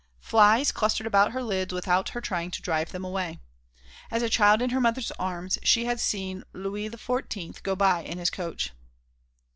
Flies clustered about her lids without her trying to drive them away. As a child in her mother's arms, she had seen Louis XIV go by in his coach.